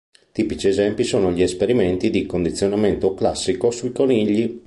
Tipici esempi sono gli esperimenti di condizionamento classico sui conigli.